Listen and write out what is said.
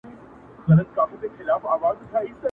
• په پرون پسي چي نن راغی سبا سته -